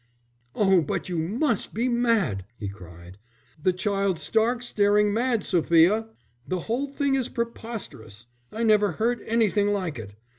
"Oh, but you must be mad," he cried. "The child's stark, staring mad, Sophia. The whole thing is preposterous. I never heard anything like it.